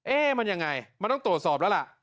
มันยังไงมันต้องตรวจสอบแล้วล่ะ